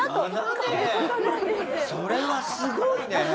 それはすごいね。